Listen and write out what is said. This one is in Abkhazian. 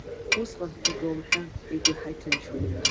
Усҟан, иага умҳәан, игәы еиҳа иҭынчхоит.